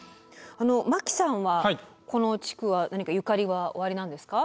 巻さんはこの地区は何かゆかりはおありなんですか？